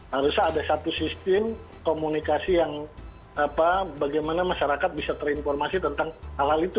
harusnya ada satu sistem komunikasi yang bagaimana masyarakat bisa terinformasi tentang hal hal itu